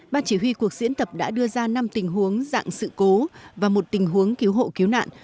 ban chỉ huy cuộc diễn tập đã đưa ra năm tình huống dạng sự cố và một tình huống cứu hộ cứu nạn